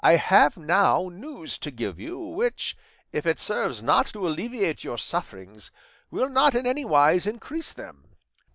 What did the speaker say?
I have now news to give you, which, if it serves not to alleviate your sufferings, will not in any wise increase them.